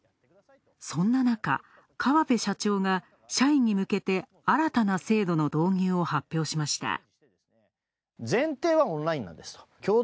そんななか、川邉社長が社員に向けて、新たな制度の導入を発表しました。